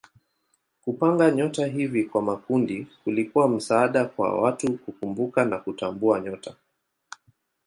Kupanga nyota hivi kwa makundi kulikuwa msaada kwa watu kukumbuka na kutambua nyota.